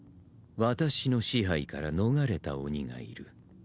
私の支配から逃れた鬼がいる。